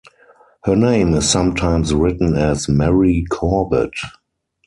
Her name is sometimes written as Mary Corbet.